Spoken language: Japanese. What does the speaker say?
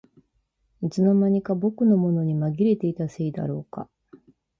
いつの間にか僕のものにまぎれていたせいだろうか